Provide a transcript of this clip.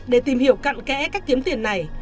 để tìm hiểu cận kẽ cách kiếm tiền này